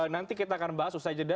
nanti kita akan bahas usai jeda